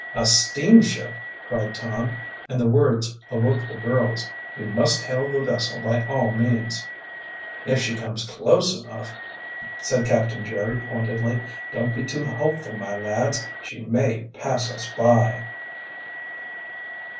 "A steamship!" cried Tom, and the words awoke the girls. "We must hail the vessel by all means." "If she comes close enough," said Captain Jerry pointedly. "Don't be too hopeful, my lads. She may pass us by."